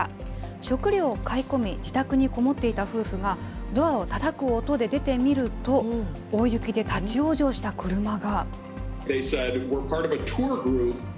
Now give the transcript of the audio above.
食料を買い込み自宅にこもっていた夫婦が、ドアをたたく音で出てみると、大雪で立往生した車が。